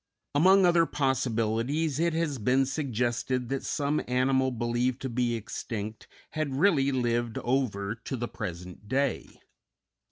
Among other possibilities it has been suggested that some animal believed to be extinct had really lived over to the present day.